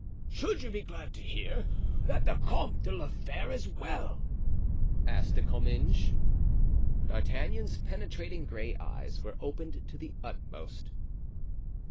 "Should you be glad to hear that the Comte de la Fere is well?" asked De Comminges. D'Artagnan's penetrating gray eyes were opened to the utmost.